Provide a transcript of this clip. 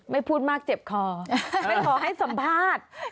พูดมากเจ็บคอไม่ขอให้สัมภาษณ์